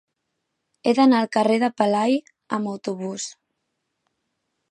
He d'anar al carrer de Pelai amb autobús.